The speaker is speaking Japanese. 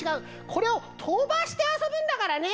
これをとばしてあそぶんだからね。